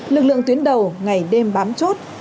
lực lượng tuyến đầu ngày đêm bám chốt